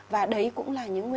và đấy là những cái